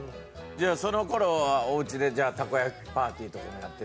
じゃあその頃はおうちでたこ焼きパーティーとかもやってたんだ。